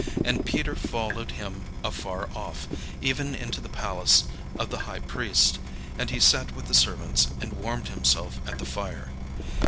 And Peter followed him afar off, even into the palace of the high priest; and he sat with the servants, and warmed himself at the fire.